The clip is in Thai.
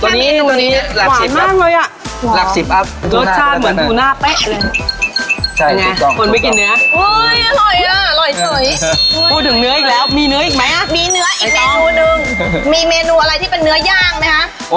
มีเมนูอะไรที่เป็นเนื้อย่างไหมคะ